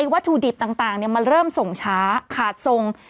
วัตถุดิบต่างมันเริ่มส่งช้าขาดทรง